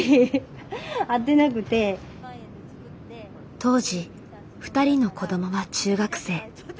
当時２人の子どもは中学生。